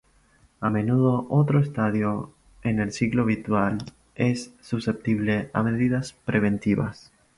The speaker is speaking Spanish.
A menudo otro estadio en el ciclo vital es susceptible a medidas preventivas.